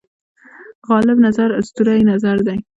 غالب نظر اسطوره یي نظر دی.